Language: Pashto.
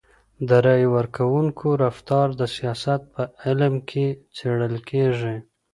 د رایي ورکوونکو رفتار د سیاست په علم کي څېړل کیږي.